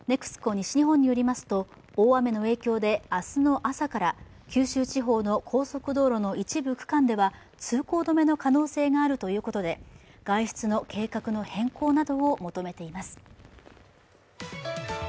西日本によりますと、大雨の影響で明日の朝から、九州地方の高速道路の一部区間では通行止めの可能性があるということで外出の計画の変更などを求めています。